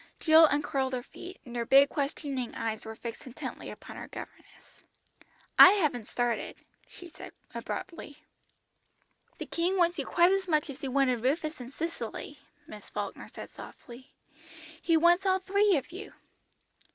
Jill uncurled her feet, and her big questioning eyes were fixed intently upon her governess. "I haven't started," she said abruptly. "The King wants you quite as much as He wanted Rufus and Cicely," Miss Falkner said softly; "He wants all three of you."